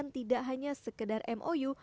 tidak hanya sekedar mou